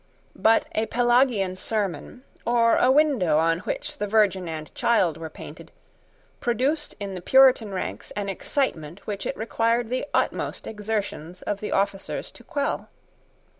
But a Pelagian sermon, or a window on which the Virgin and Child were painted, produced in the Puritan ranks an excitement which it required the utmost exertions of the officers to quell.